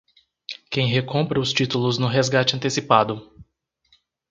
Quem recompra os títulos no resgate antecipado